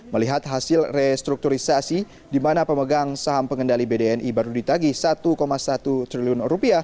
melihat hasil restrukturisasi di mana pemegang saham pengendali bdni baru ditagi rp satu satu triliun